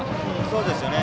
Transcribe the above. そうですね。